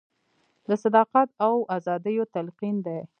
د صداقت او ازادیو تلقین دی.